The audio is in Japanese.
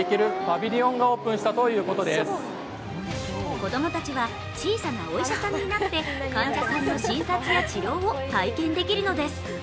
子供たちは小さなお医者さんになって患者さんの診察や治療を体験できるのです。